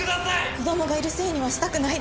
「子供がいるせいにはしたくないです」